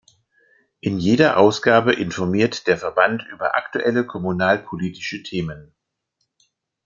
In jeder Ausgabe informiert der Verband über aktuelle kommunalpolitische Themen.